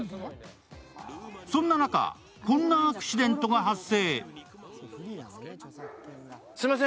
そんな中、こんなアクシデントが発生。